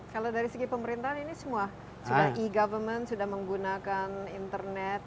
kalau dari segi pemerintahan ini semua sudah e government sudah menggunakan internet